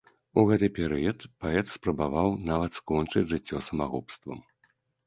У гэты перыяд паэт спрабаваў нават скончыць жыццё самагубствам.